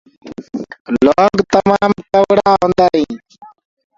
لونٚگ تمآم ڪڙوآ هوندآ هينٚ